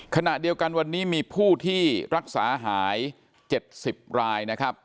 ขณะเดียวกันวันนี้มีผู้ที่รักษาหาย๗๐รายนะครับ